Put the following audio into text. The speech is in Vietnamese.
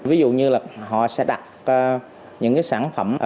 ví dụ như họ sẽ đặt những sản phẩm